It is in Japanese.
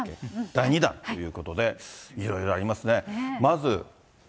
第２弾ということで、いろいろありますね。